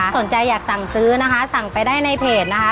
สนใจอยากสั่งซื้อสั่งไปได้ในเพจ